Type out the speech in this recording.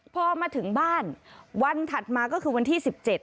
พอมาถึงบ้านวันถัดมาก็คือวันที่๑๗